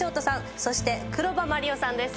そして黒羽麻璃央さんです。